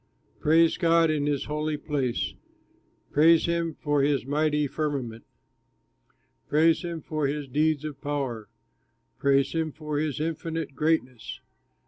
Praise God in his holy place, Praise him for his mighty firmament, Praise him for his deeds of power, Praise him for his infinite greatness.